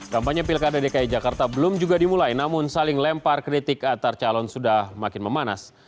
kampanye pilkada dki jakarta belum juga dimulai namun saling lempar kritik antar calon sudah makin memanas